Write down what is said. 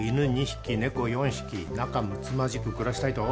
２匹猫４匹仲むつまじく暮らしたいと？